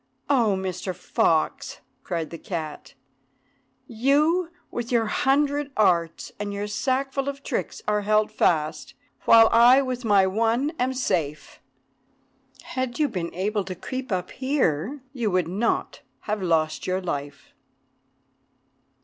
"Oh, Mr. Fox!" cried the cat, "you with your hundred arts, and your sackful of tricks, are held fast, while I, with my one, am safe. Had you been able to creep up here, you would not have lost your life."